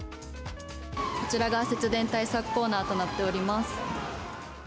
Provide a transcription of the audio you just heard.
こちらが節電対策コーナーとなっております。